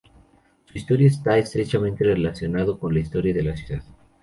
Su historia está estrechamente relacionado con la historia de la ciudad.